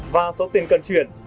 và số tiền cần chuyển